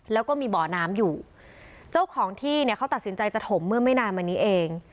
แล้วก็มีบ่อน้ำอยู่เจ้าของที่เนี่ยเขาตัดสินใจจะถมเมื่อไม่นานมานี้เอง